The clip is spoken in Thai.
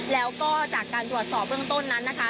แล้วก็จากการตรวจสอบเบื้องต้นนั้นนะคะ